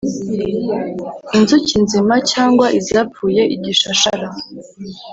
Inzuki nzima cyangwa izapfuye igishashara